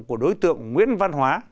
của đối tượng nguyễn văn hóa